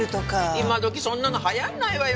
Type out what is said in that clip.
今時そんなの流行らないわよ